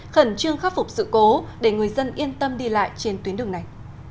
khẩn trương khắc phục sự cố để người dân yên tâm đi lại trên tuyến đường này